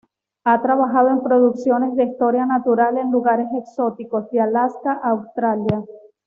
Ha trabajado en producciones de historia natural en lugares exóticos de Alaska a Australia.